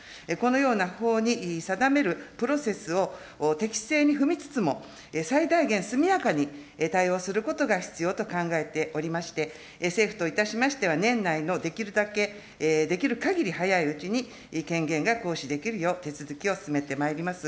このような法に定めるプロセスを適正に踏みつつも、最大限速やかに対応することが必要と考えておりまして、政府といたしましては、年内のできるだけ、できるかぎり早いうちに、権限が行使できるよう、手続きを進めてまいります。